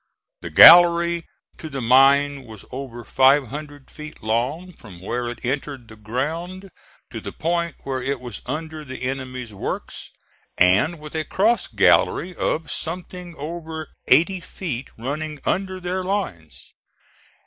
The gallery to the mine was over five hundred feet long from where it entered the ground to the point where it was under the enemy's works, and with a cross gallery of something over eighty feet running under their lines.